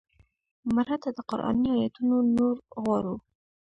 مړه ته د قرآني آیتونو نور غواړو